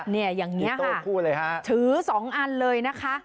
เนี่ยอย่างนี้ค่ะถือ๒อันเลยนะคะ